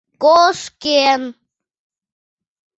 Кошкен.